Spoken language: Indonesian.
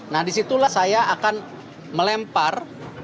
nah disitulah saya akan melempar